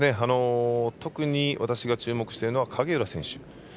得に私が注目しているのは影浦心選手